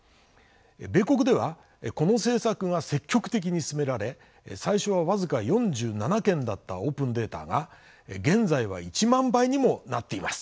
米国ではこの政策が積極的に進められ最初は僅か４７件だったオープンデータが現在は１万倍にもなっています。